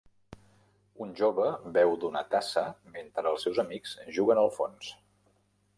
Un jove beu d'una tassa mentre els seus amics juguen al fons